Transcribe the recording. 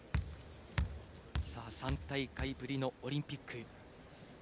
３大会ぶりのオリンピック。